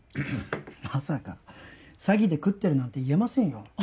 まさか詐欺で食ってるなんて言えませんよ